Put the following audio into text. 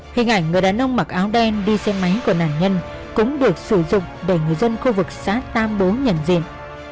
hình ảnh người đàn ông mặc áo đen đi xe máy của nạn nhân cũng được sử dụng để người dân khu vực xã tam bố nhận diện